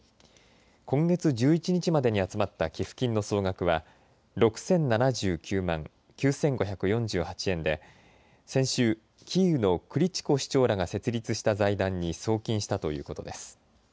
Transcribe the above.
今月１１日までに集まった寄付金の総額は６０７９万９５４８円で先週、キーウのクリチコ市長らが設立した財団に送金したということです。